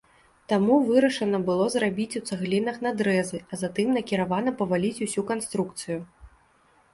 Таму вырашана было зрабіць у цаглінах надрэзы, а затым накіравана паваліць ўсю канструкцыю.